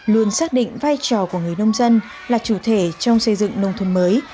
luôn xác định vai trò của người nông dân là chủ thể trong xây dựng nông thôn mới